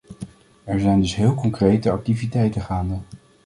Er zijn dus heel concrete activiteiten gaande.